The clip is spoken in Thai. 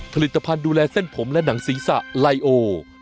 ผลิตภัณฑ์ดูแลเส้นผมและหนังศีรษะไลโอ